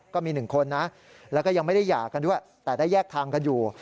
ก็มีหนึ่งคนนะแล้วก็ยังไม่ได้หย่ากันด้วยแต่ได้แยกทางกันอยู่